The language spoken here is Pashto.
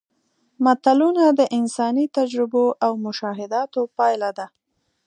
متلونه د انساني تجربو او مشاهداتو پایله ده